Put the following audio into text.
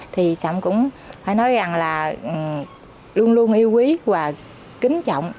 thì xong cũng phải nói rằng là luôn luôn yêu quý và kính trọng